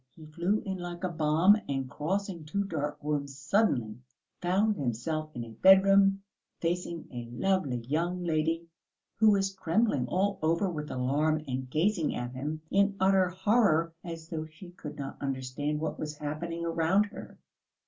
He flew in like a bomb, and crossing two dark rooms, suddenly found himself in a bedroom facing a lovely young lady, who was trembling all over with alarm and gazing at him in utter horror as though she could not understand what was happening around her.